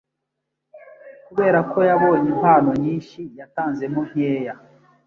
kubera ko yabonye impano nyinshi yatanzemo nkeya